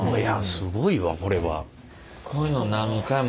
すごいわこれは。